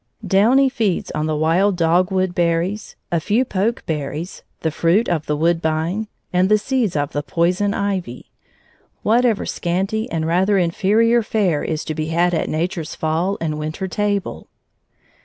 Downy feeds on the wild dogwood berries, a few pokeberries, the fruit of the woodbine, and the seeds of the poison ivy, whatever scanty and rather inferior fare is to be had at Nature's fall and winter table.